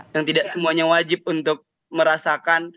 yang tidak semuanya wajib untuk merasakan